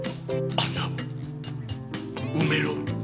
「穴を埋めろ」。